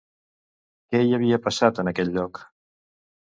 Què hi havia passat, en aquell lloc?